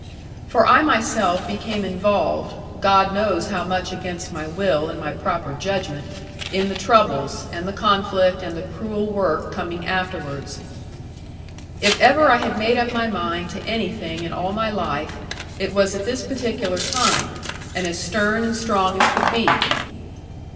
For I myself became involved (God knows how much against my will and my proper judgment) in the troubles, and the conflict, and the cruel work coming afterwards. If ever I had made up my mind to anything in all my life, it was at this particular time, and as stern and strong as could be.